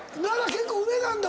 結構上なんだ。